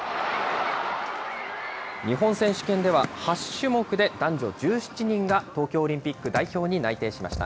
日本選手権では、８種目で男女１７人が東京オリンピック代表に内定しました。